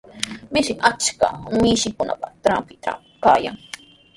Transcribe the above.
Mishin achka mishikunapa trawpintraw kaykan.